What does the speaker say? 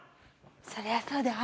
そりゃそうだよ